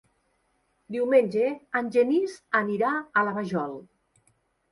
Diumenge en Genís anirà a la Vajol.